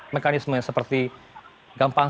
mekanisme seperti gampang